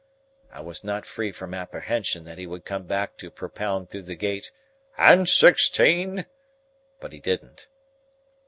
I was not free from apprehension that he would come back to propound through the gate, "And sixteen?" But he didn't.